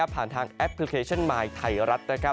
ผ่านทางแอปพลิเคชันมายไทยรัฐ